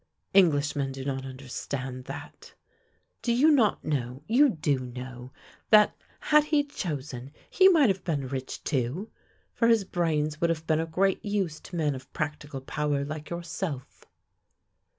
Englishmen do not understand that. Do you not know — you do know — that, had he chosen, he might have been rich too, for his brains would have been of great use to men of practical power like your self."